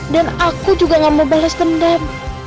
dan aku juga gak mau bales dendam